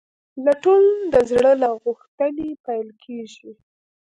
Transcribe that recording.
لټون د زړه له غوښتنې پیل کېږي.